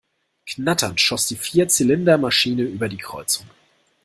Knatternd schoss die Vierzylinder-Maschine über die Kreuzung.